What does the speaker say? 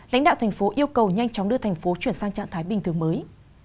lãnh đạo thành phố yêu cầu nhanh chóng đưa thành phố chuyển sang trạng thái bình thường mới